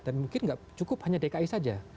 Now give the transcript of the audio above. dan mungkin nggak cukup hanya dki saja